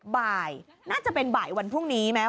บ่ายน่าจะเป็นบ่ายวันพรุ่งนี้ไหม